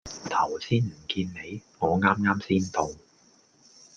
頭先唔見你？我啱啱先到